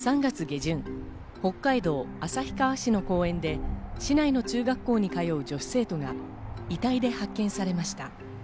そもそもの発端は、今年３月下旬、北海道旭川市の公園で市内の中学校に通う女子生徒が遺体で発見されました。